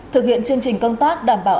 thực hiện chương trình công tác đảm bảo